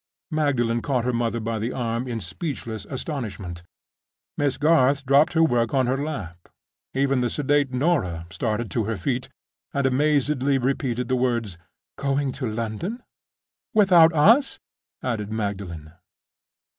Magdalen caught her mother by the arm in speechless astonishment. Miss Garth dropped her work on her lap; even the sedate Norah started to her feet, and amazedly repeated the words, "Going to London!" "Without us?" added Magdalen.